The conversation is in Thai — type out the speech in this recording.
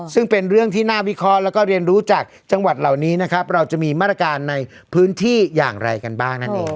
ตอนนี้นะครับเราจะมีมาตรการในพื้นที่อย่างไรกันบ้างนั่นเอง